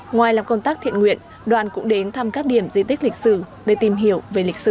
ngoài làm công tác thiện nguyện đoàn cũng đến thăm các điểm di tích lịch sử để tìm hiểu về lịch sử